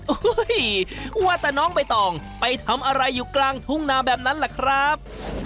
น้องเร่งโดยบอกว่าแต่น้องเอกไปต่องไปทำอะไรอยู่กลางถุงนาแบบนั้นล่ะครับ